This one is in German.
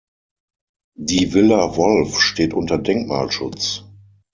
Die Villa Wolf steht unter Denkmalschutz.